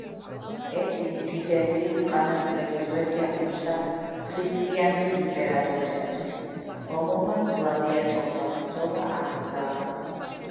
ეს ინციდენტი უკანასკნელი წვეთი აღმოჩნდა ქრისტიანი იმპერატორისთვის, რომელმაც გლადიატორთა ბრძოლა აკრძალა.